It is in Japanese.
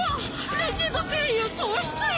レジェンド声優総出演！